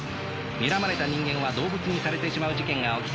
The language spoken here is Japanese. にらまれた人間は動物にされてしまう事件が起きていた。